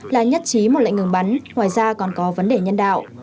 là nhất trí một lệnh ngừng bắn ngoài ra còn có vấn đề nhân đạo